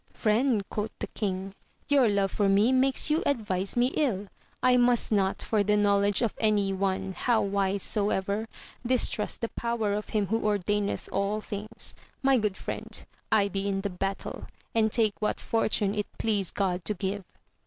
Friend, quoth the king, your love for me makes you advise me ill. 1 must not, for the knowledge of any one, how wise soever, distrust the 'power of him who ordaineth ail things. My good friend, I be in the battle, and take what fortune it please God to give.